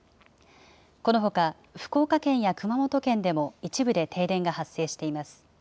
このほか福岡県や熊本県でも一部で停電が発生しています。